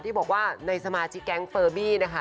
ที่บอกว่าในสมาชิกแก๊งเฟอร์บี้นะคะ